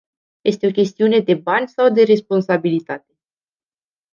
Este o chestiune de bani sau de responsabilitate?